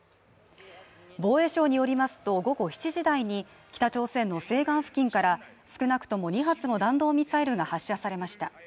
防衛省によりますと午後７時台に北朝鮮の西岸付近から少なくとも２発の弾道ミサイルが発射されました。